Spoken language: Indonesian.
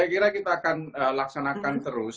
saya kira kita akan laksanakan terus